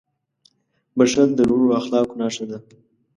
• بښل د لوړو اخلاقو نښه ده.